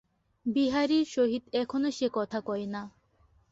বিহারীর সহিত এখনো সে কথা কয় না।